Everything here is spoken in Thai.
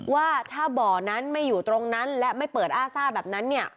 ว่าถ้าบ่อนั้นไม่อยู่ตรงนั้นและไม่เปิดอ้าซ่าแบบนั้นเนี่ย